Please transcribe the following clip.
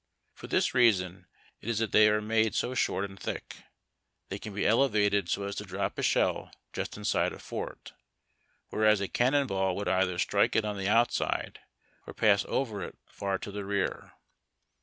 For this reason it is that they are made so short and thick. They can be elevated so as to drop a shell just inside a fort, whereas a cannon ball would either strike it on the outside, or pass over it far to the rear.